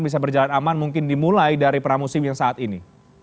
bisa berjalan aman mungkin dimulai dari pramusim yang saat ini